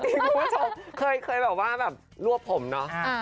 คุณผู้ชมเคยแบบว่าแบบรวบผมเนาะ